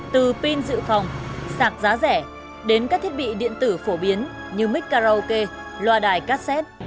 từ pin dự phòng sạc giá rẻ đến các thiết bị điện tử phổ biến như mic karaoke loa đài cassette